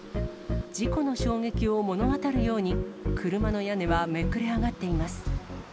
事故の衝撃を物語るように、車の屋根はめくれ上がっています。